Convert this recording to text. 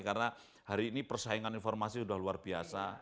karena hari ini persaingan informasi sudah luar biasa